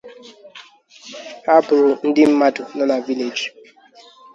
Whole villages were severely damaged or completely erased.